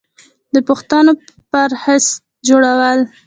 د پوښتنو فهرست جوړول